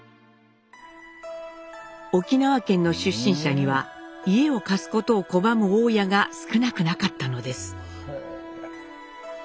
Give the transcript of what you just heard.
沖縄県の出身者には家を貸すことを拒む大家が少なくなかったのです。